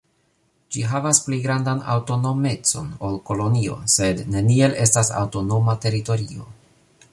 Ĝi havas pli grandan aŭtonomecon ol kolonio, sed neniel estas aŭtonoma teritorio.